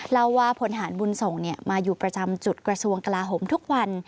เล่าว่าพลฐานบุญส่งมาอยู่ประจำจุดกระทรวงกลาโหมทุกวัน